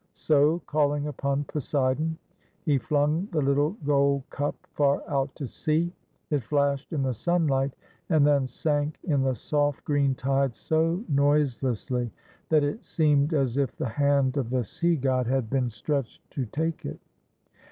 So, calling upon Poseidon, he flung the Httle gold cup far out to sea. It flashed in the sunlight, and then sank in the soft green tides so noiselessly that it seemed as if the hand of the sea god 107 GREECE had been stretched to take it.